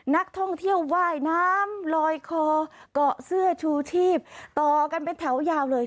นักท่องเที่ยวว่ายน้ำลอยคอเกาะเสื้อชูชีพต่อกันเป็นแถวยาวเลย